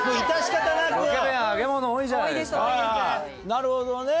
なるほどね。